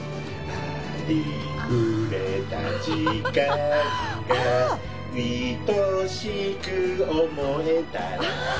「ありふれた時間が愛しく思えたら」